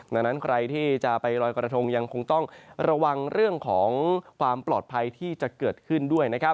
ดังนั้นใครที่จะไปลอยกระทงยังคงต้องระวังเรื่องของความปลอดภัยที่จะเกิดขึ้นด้วยนะครับ